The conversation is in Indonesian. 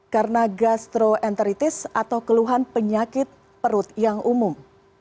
karena gastroenteritis atau keluhan penyakit perut yang umum